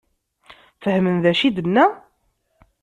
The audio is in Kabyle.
Fehmen d acu i d-tenna?